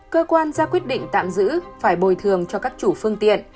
cơ quan ra quyết định tạm giữ phải bồi thường cho các chủ phương tiện